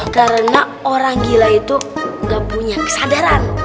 karena orang gila itu gak punya kesadaran